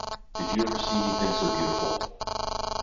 Did you ever see anything so beautiful?